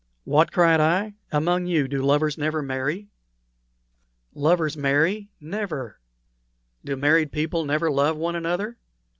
"What!" cried I, "among you do lovers never marry?" "Lovers marry? Never!" "Do married people never love one another?"